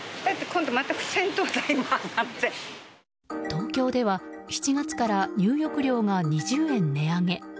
東京では７月から入浴料が２０円値上げ。